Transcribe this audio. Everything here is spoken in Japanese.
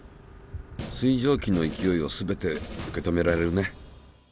水蒸気の勢いをすべて受け止められるね。